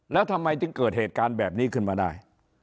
แล้วทำไมถึงเกิดเหตุการณ์แบบนี้ขึ้นมาได้